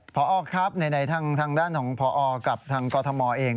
พอครับไหนทางด้านของพอกับทางกรทมเอง